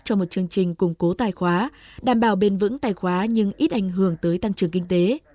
cho một chương trình củng cố tài khóa đảm bảo bền vững tài khoá nhưng ít ảnh hưởng tới tăng trưởng kinh tế